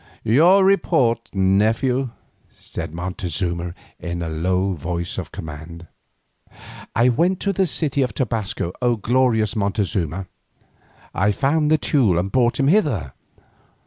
"Your report, nephew," said Montezuma in a low voice of command. "I went to the city of Tobasco, O glorious Montezuma. I found the Teule and brought him hither.